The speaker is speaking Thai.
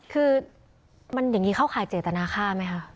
คือมันอย่างนี้เข้าข่ายเจตนาค่าไหมคะ